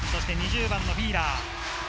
２０番のフィーラー。